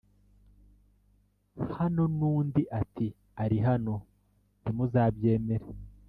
hano n undi ati ari hano ntimuzabyemere